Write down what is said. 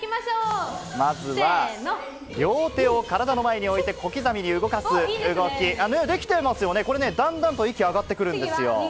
まずは、両手を体の前に置いて、小刻みに動かす動き、できてますよね、これね、だんだんと息上がってくるんですよ。